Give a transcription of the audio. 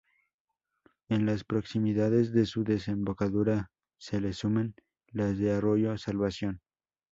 En las proximidades de su desembocadura, se le suman las del arroyo Salvación.